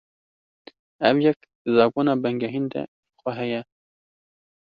Ev yek, di zagona bingehîn de jixwe heye